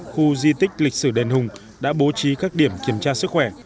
khu di tích lịch sử đền hùng đã bố trí các điểm kiểm tra sức khỏe